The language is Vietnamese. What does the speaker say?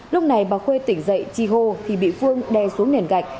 lúc này bà khuê tỉnh dậy chi hô thì bị phương đe xuống nền gạch